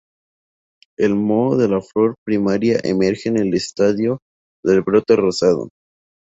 El moho de la flor primaria emerge en el estadio del brote rosado.